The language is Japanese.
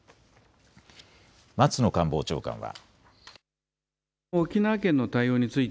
松野官房長官は。